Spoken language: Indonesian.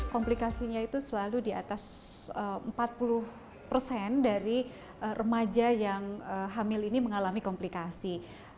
komplikasinya itu selalu di atas empat puluh persen dari remaja yang hamil ini mengalami komplikasi